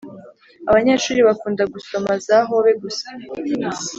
abanyeshuri bakunda gusoma za hobe gusa